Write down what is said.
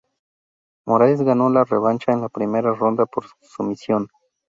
Moraes ganó la revancha en la primera ronda por sumisión.